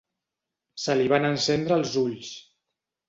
Se li van encendre els ulls.